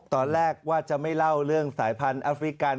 ตอนแรกว่าจะไม่เล่าเรื่องสายพันธุ์แอฟริกัน